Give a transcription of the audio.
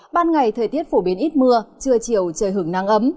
ban ngày thời tiết phổ biến ít mưa trưa chiều trời hưởng nắng ấm